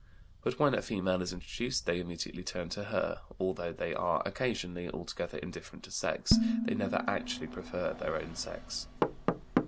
But when a female is introduced they immediately turn to her; although they are occasionally altogether indifferent to sex, they never actually prefer their own sex.